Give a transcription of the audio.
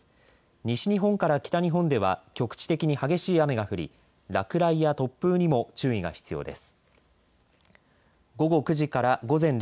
西日本から北日本では局地的に激しい雨が降り、落雷や突風にも注意が必要です。